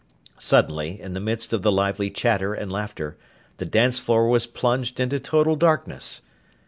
Suddenly, in the midst of the lively chatter and laughter, the dance floor was plunged into total darkness!